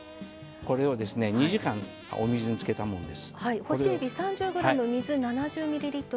これを２時間お水につけたものです。